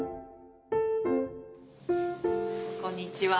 こんにちは。